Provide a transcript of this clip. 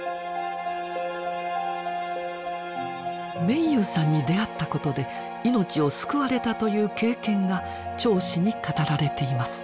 明勇さんに出会ったことで命を救われたいう経験が町史に語られています。